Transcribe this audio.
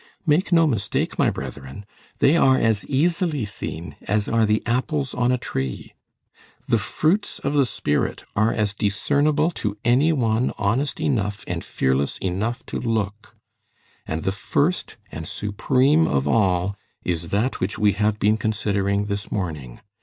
Make no mistake, my brethren, they are as easily seen as are the apples on a tree. The fruits of the spirit are as discernible to any one honest enough and fearless enough to look; and the first and supreme of all is that which we have been considering this morning.